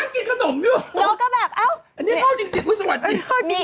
อันนี้เข้าจริงไว้สวัสดิ์